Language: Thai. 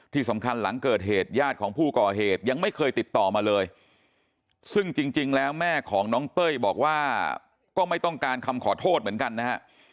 ที่สำคัญหลังเกิดเหตุญาติของผู้ก่อเหตุยังไม่เคยติดต่อมาเลยซึ่งจริงแล้วแม่ของน้องเต้ยบอกว่าก็ไม่ต้องการคำขอโทษเหมือนกันนะฮะ